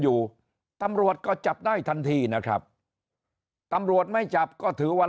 อยู่ตำรวจก็จับได้ทันทีนะครับตำรวจไม่จับก็ถือว่า